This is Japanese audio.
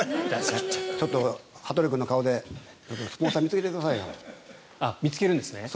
羽鳥君の顔でスポンサーを見つけてくださいよ。